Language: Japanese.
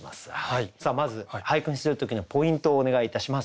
さあまず俳句にする時のポイントをお願いいたします。